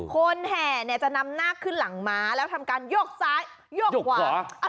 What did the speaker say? แห่เนี่ยจะนำนาคขึ้นหลังม้าแล้วทำการโยกซ้ายโยกขวา